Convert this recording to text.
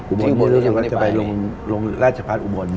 อุบรณ์นี้รู้สึกจะไปลงราชภัศน์อุบรณ์